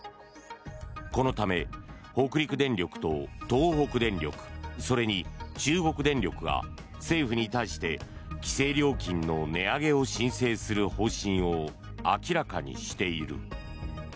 このため、北陸電力と東北電力それに中国電力が政府に対して規制料金の値上げを申請する方針を明らかにしている。